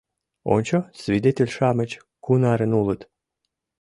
Ончо, свидетель-шамыч кунарын улыт!